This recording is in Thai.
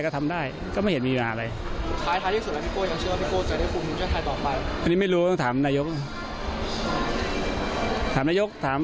ก็ทำได้ก็ไม่เห็นมีอย่างไร